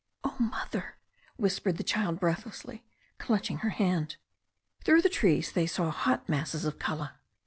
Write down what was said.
"Oh, Mother," whispered the child breath lessly, clutching her hand. Through the trees they saw hot masses of colour.